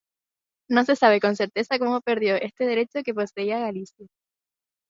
No se sabe con certeza cómo perdió este derecho que poseía Galicia.